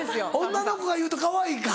女の子が言うとかわいいか。